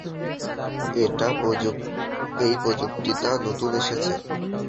এই প্রযুক্তিটা নতুন এসেছে।